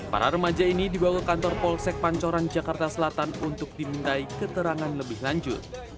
para remaja ini dibawa ke kantor polsek pancoran jakarta selatan untuk dimintai keterangan lebih lanjut